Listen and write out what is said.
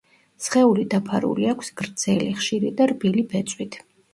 სხეული დაფარული აქვს გრძელი, ხშირი და რბილი ბეწვით.